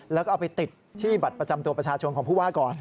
แล้วก็เอาไปติดที่บัตรประจำตัวประชาชนของผู้ว่าก่อน